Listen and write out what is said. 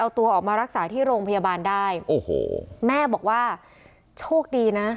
เอาตัวออกมารักษาที่โรงพยาบาลได้โอ้โหแม่บอกว่าโชคดีนะ